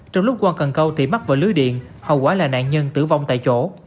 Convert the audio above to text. trong lúc quan cần câu thì mắc vỡ lưới điện hậu quả là nạn nhân tử vong tại chỗ